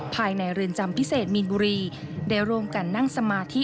ภายในเรือนจำพิเศษมีนบุรีได้ร่วมกันนั่งสมาธิ